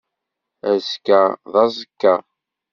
Azekka d aẓekka.